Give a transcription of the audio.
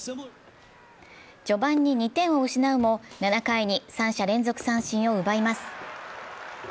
序盤に２点を失うも７回に三者連続三振を奪います。